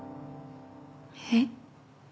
えっ？